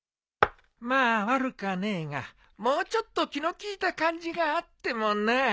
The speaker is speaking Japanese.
まあ悪かねえがもうちょっと気の利いた感じがあってもな。